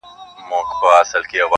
د مرګ غېږ ته ورغلی یې نادانه-